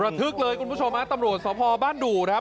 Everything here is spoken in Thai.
ระทึกเลยคุณผู้ชมตำรวจสภาพบ้านดู่นะครับ